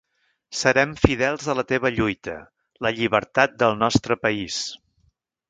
Serem fidels a la teva lluita: la llibertat del nostre país.